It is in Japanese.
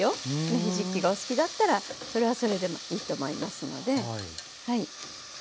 芽ひじきがお好きだったらそれはそれでもいいと思いますので。